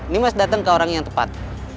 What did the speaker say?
nimas datang ke orang yang tepat